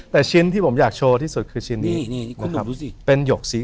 แต่ชิ้นที่ผมอยากโชว์ที่สุดคือชิ้นนี้